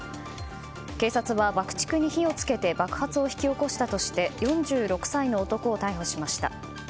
警察は爆竹に火を付けて爆発を引き起こしたとして４６歳の男を逮捕しました。